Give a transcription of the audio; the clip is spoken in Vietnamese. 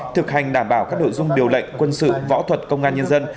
thực hành đảm bảo các nội dung điều lệnh quân sự võ thuật công an nhân dân